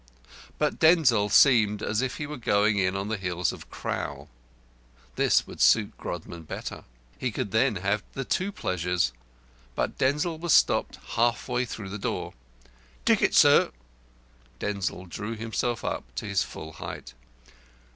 But Denzil seemed as if he were going in on the heels of Crowl. This would suit Grodman better. He could then have the two pleasures. But Denzil was stopped halfway through the door. "Ticket, sir!" Denzil drew himself up to his full height.